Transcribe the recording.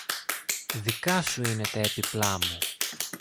Δικά σου είναι τα έπιπλα μου